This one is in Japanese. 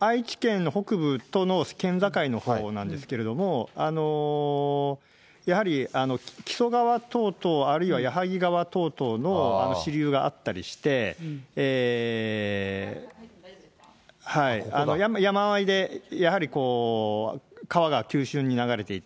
愛知県の北部との県境の方なんですけれども、やはり木曽川等々、あるいはやはぎ川等々の支流があったりして、山あいで、やはり川が急しゅんに流れていて。